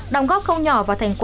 đồng góp không nhỏ vào thành phố